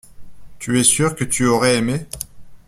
Tu es sûr que tu aurais aimé.